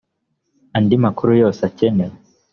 andi makuru yose akenewe